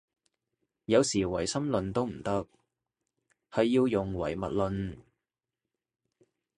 有時唯心論都唔得，係要用唯物論